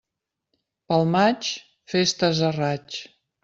Pel maig, festes a raig.